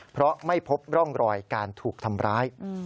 เพราะไม่พบร่องรอยการถูกทำร้าย